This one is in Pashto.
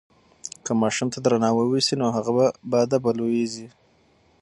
که ماشوم ته درناوی وسي نو هغه باادبه لویېږي.